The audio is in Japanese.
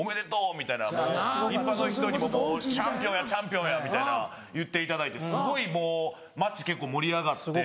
みたいな一般の人にもチャンピオンやチャンピオンやみたいな言っていただいてすごいもう街結構盛り上がって。